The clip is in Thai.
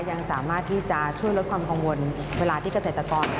ยังสามารถที่จะช่วยลดความกังวลเวลาที่เกษตรกร